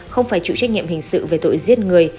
không phải chịu trách nhiệm hình sự về tội giết người